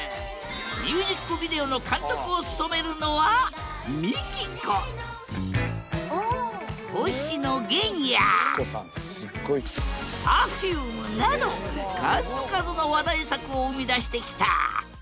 ミュージックビデオの監督を務めるのは星野源やＰｅｒｆｕｍｅなど数々の話題作を生み出してきた。